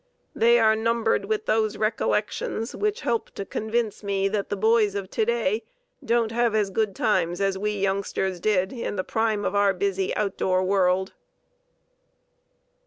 They are numbered with those recollections which help to convince me that the boys of to day don't have as good times as we youngsters did in the prime of our busy outdoor world.